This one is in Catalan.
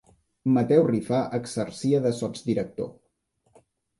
Mateu Rifà exercia de sotsdirector.